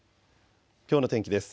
きょうの天気です。